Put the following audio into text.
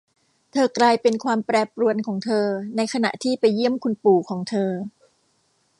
เธอกลายเป็นความแปรปรวนของเธอในขณะที่ไปเยี่ยมคุณปู่ของเธอ